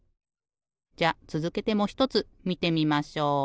じゃあつづけてもひとつみてみましょう。